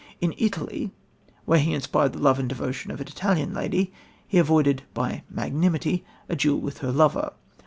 In Italy, where he inspired the love and devotion of an Italian lady, he avoided, by "magnanimity," a duel with her lover.